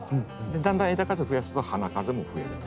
だんだん枝数増やすと花数も増えると。